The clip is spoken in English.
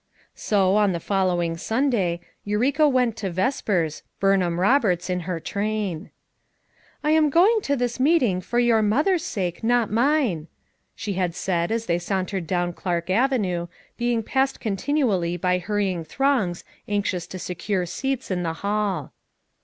So, on the following Sunday, Eureka went to vespers, Burnham Roberts in her train. C I am going to this meeting for your if FOUR MOTHERS AT CHAUTAUQUA 13l mother's sake, not mine/' she had said as they sauntered down Clark Avenue, heing passed continually by hurrying throngs anxious to secure seats in the hall.